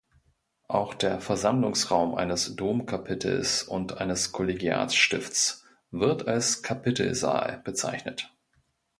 Auch der Versammlungsraum eines Domkapitels und eines Kollegiatstifts wird als Kapitelsaal bezeichnet.